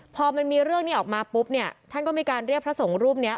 พอมันมีเรื่องนี้ออกมาปุ๊บเนี่ยท่านก็มีการเรียกพระสงฆ์รูปเนี้ย